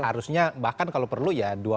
harusnya bahkan kalau perlu ya